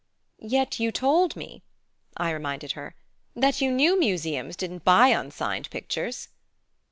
"Yet you told me," I reminded her, "that you knew museums didn't buy unsigned pictures."